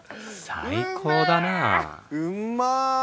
最高だなあ。